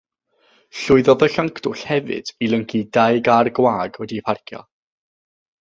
Llwyddodd y llyncdwll hefyd i lyncu dau gar gwag wedi'u parcio.